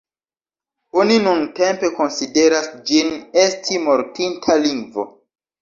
Oni nuntempe konsideras ĝin esti mortinta lingvo.